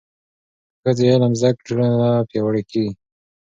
که ښځې علم زده کړي، ټولنه پیاوړې کېږي.